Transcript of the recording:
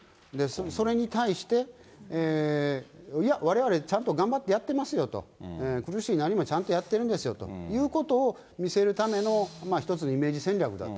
それに対して、いや、われわれ、ちゃんと頑張ってやってますよと、苦しいなりにもちゃんとやってるんですよということを見せるための、１つのイメージ戦略だと。